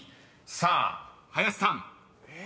さあ林さん］え？